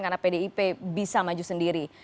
karena pdip bisa maju sendiri